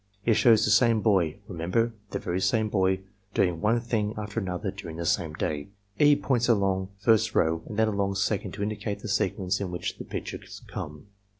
It shows the same boy— remember , the very same boy — doing one thing after another during the same day. (E, points along first row and then along second to indicate the sequence in which the pictures come.)